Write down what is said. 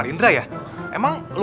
anak ini tumbal